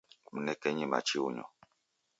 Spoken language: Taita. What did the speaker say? Mnekenyi machi unyo.